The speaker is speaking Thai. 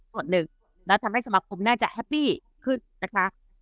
ส่วนหนึ่งแล้วทำให้สมาคมน่าจะแฮปปี้ขึ้นนะคะ